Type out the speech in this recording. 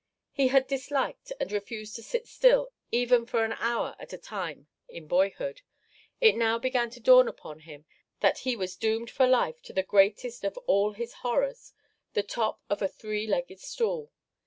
He had disliked and refused to sit still even for an hour at a time in boyhood; it now began to dawn upon him that he was doomed for life to the greatest of all his horrors, the top of a three legged stool!